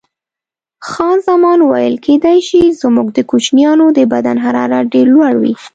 خان زمان وویل: کېدای شي، زموږ د کوچنیانو د بدن حرارت ډېر لوړ وي.